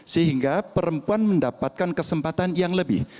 sehingga perempuan mendapatkan kesempatan yang lebih